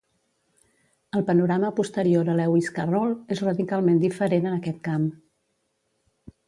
El panorama posterior a Lewis Carroll és radicalment diferent en aquest camp.